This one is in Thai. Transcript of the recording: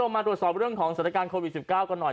มาดูสอบเรื่องของศัลยการโควิด๑๙กันหน่อย